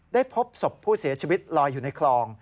พบศพผู้เสียชีวิตลอยอยู่ในคลอง